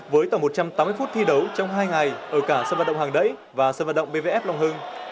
với tầm một trăm tám mươi phút thi đấu trong hai ngày ở cả sân vận động hàng đẩy và sân vận động bvf long hưng